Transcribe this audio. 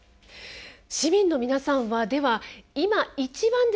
市民の皆さんはでは今一番ですね